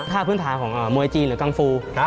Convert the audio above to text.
พื้นฐานของมวยจีนหรือกังฟู